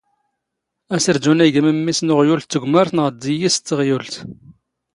ⴰⵙⵔⴷⵓⵏ ⵉⴳⴰ ⵎⴻⵎⵎⵉⵙ ⵏ ⵓⵖⵢⵓⵍ ⴷ ⵜⴳⵎⴰⵔⵜ ⵏⵖ ⴷ ⵉⵢⵢⵉⵙ ⴷ ⵜⵖⵢⵓⵍⵜ.